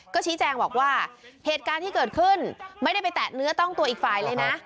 ก็ชี้แจงบอกว่าเหตุการณ์ที่เกิดขึ้นไม่ได้ไปแตะเนื้อต้องตัวอีกฝ่ายเลยนะ